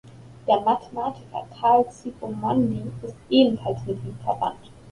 Der Mathematiker Karl Zsigmondy ist ebenfalls mit ihm verwandt.